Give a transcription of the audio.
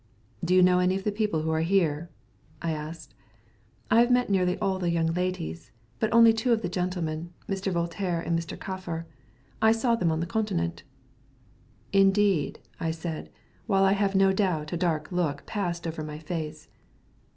"Do you know any of the people who are here?" I asked. "I have met nearly all the young ladies, but only two of the gentlemen Mr. Voltaire and Mr. Kaffar. I saw them on the Continent." "Indeed?" I said, while I have no doubt a dark look passed over my face.